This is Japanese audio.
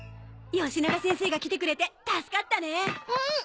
よしなが先生が来てくれて助かったね。